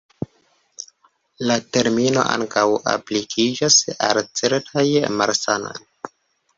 La termino ankaŭ aplikiĝas al certaj malsanoj.